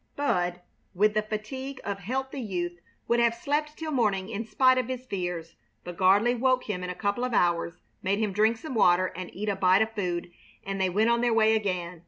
Bud, with the fatigue of healthy youth, would have slept till morning in spite of his fears, but Gardley woke him in a couple of hours, made him drink some water and eat a bite of food, and they went on their way again.